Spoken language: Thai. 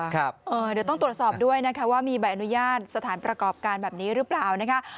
เดี๋ยวต้องตรวจสอบด้วยนะคะว่ามีใบอนุญาตสถานประกอบการแบบนี้หรือเปล่านะคะ